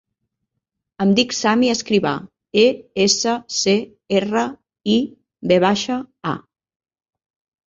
Em dic Sami Escriva: e, essa, ce, erra, i, ve baixa, a.